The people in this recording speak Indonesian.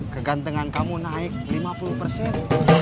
kegantengan kamu naik lima puluh persen